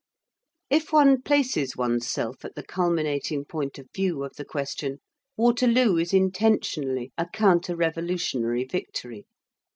If one places one's self at the culminating point of view of the question, Waterloo is intentionally a counter revolutionary victory.